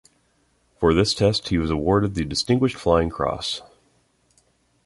For this test he was awarded the Distinguished Flying Cross.